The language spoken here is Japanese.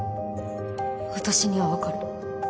私には分かる